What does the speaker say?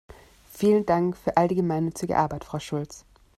Vielen Dank für all die gemeinnützige Arbeit, Frau Schulz!